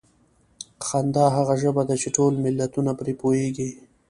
خندا هغه ژبه ده چې ټول ملتونه پرې پوهېږي.